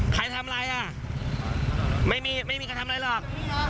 ใครทำอะไรอ่ะไม่มีไม่มีใครทำอะไรหรอก